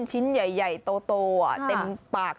ชิ้นใหญ่โตเต็มปาก